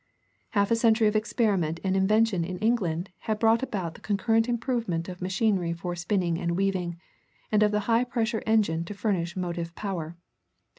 Half a century of experiment and invention in England had brought about the concurrent improvement of machinery for spinning and weaving, and of the high pressure engine to furnish motive power.